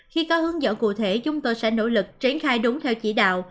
khi có hướng dẫn cụ thể chúng tôi sẽ nỗ lực triển khai đúng theo chỉ đạo